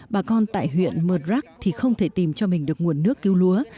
bà con tại huyện mờ rắc thì không thể tìm cho mình được nguồn nước cứu lúa